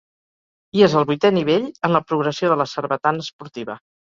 I és el vuitè nivell en la progressió de la sarbatana esportiva.